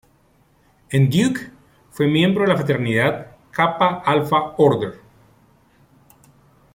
En Duke, fue miembro de la fraternidad Kappa Alpha Order.